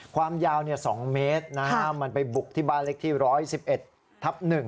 ความยาว๒เมตรมันไปบุกที่บ้านเล็กที่๑๑๑ทับ๑